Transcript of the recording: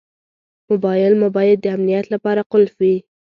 موبایل مو باید د امنیت لپاره قلف وي.